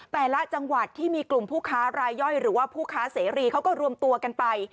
แต่ละจังหวัดที่มีกลุ่มผู้ค้ารายย่อยหรือว่าผู้ค้าเสรีเขาก็รวมตัวกันไป